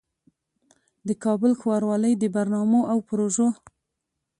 د کابل ښاروالۍ د برنامو او پروژو